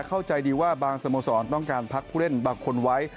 เข้าใจดีว่าบางสโมสรต้องการพักผู้เล่นบางคนไว้